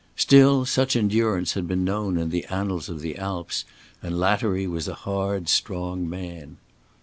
Still such endurance had been known in the annals of the Alps, and Lattery was a hard strong man.